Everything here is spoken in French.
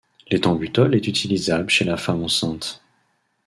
L'éthambutol est utilisable chez la femme enceinte.